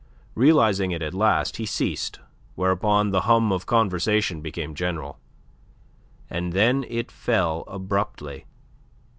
Realizing it at last, he ceased, whereupon the hum of conversation became general. And then it fell abruptly.